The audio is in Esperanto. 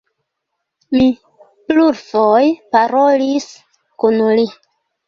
Mi plurfoje parolis kun li.